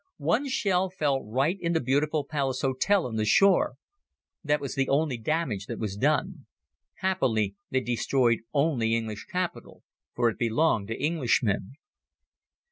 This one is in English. One shell fell right in the beautiful Palace Hotel on the shore. That was the only damage that was done. Happily they destroyed only English capital, for it belonged to Englishmen.